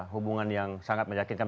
hubungan yang sangat menyakinkan